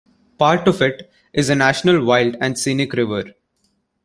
Part of it is a National Wild and Scenic River.